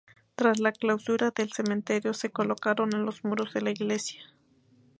Tras la clausura del cementerio se colocaron en los muros de la iglesia.